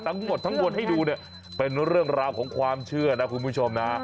ทั้งหมดทั้งบนให้ดูเป็นเรื่องราวของความเชื่อนะครับคุณผู้ชม